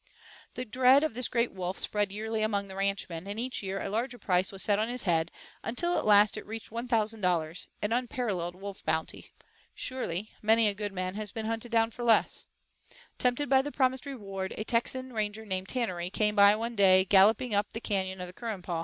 The dread of this great wolf spread yearly among the ranchmen, and each year a larger price was set on his head, until at last it reached $1,000, an unparalleled wolf bounty, surely; many a good man has been hunted down for less, Tempted by the promised reward, a Texan ranger named Tannerey came one day galloping up the canyon of the Currumpaw.